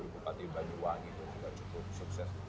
bupati banyuwangi juga cukup sukses